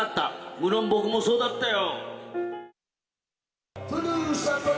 無論、僕もそうだったよ。